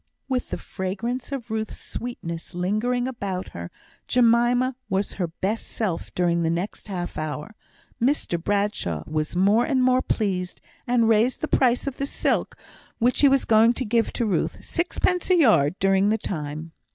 With the fragrance of Ruth's sweetness lingering about her, Jemima was her best self during the next half hour. Mr Bradshaw was more and more pleased, and raised the price of the silk, which he was going to give Ruth, sixpence a yard during the time.